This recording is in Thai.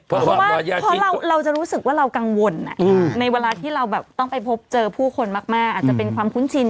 เพราะว่าเพราะเราจะรู้สึกว่าเรากังวลในเวลาที่เราแบบต้องไปพบเจอผู้คนมากอาจจะเป็นความคุ้นชิน